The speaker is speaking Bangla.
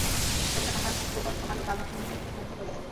ছবিটা তাহার প্রবর্ধমান বালকমনকে মুগ্ধ করিয়া দেয়।